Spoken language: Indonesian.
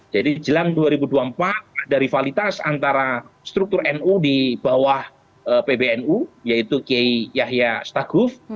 jadi jelang dua ribu dua puluh empat ada rivalitas antara struktur nu di bawah pbnu yaitu kiai yahya staguf